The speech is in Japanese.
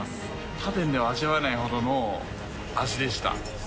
他店では味わえないほどの味でした。